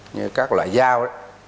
như các loại dao